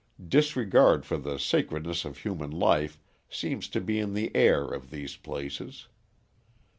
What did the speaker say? Disregard for the sacredness of human life seems to be in the air of these places.